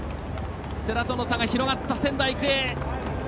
世羅との差が広がった仙台育英。